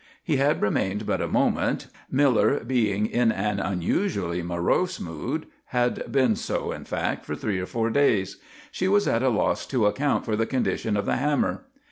He had remained but a moment, Miller being in an unusually morose mood had been so, in fact, for three or four days. She was at a loss to account for the condition of the hammer.